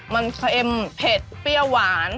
มันเค็มเผ็ดเปรี้ยวหวาน